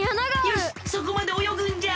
よしそこまでおよぐんじゃ！